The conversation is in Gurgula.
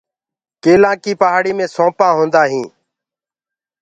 ڪيلآ ڪيٚ پآهڙي مي سونٚپآ هوندآ هينٚ۔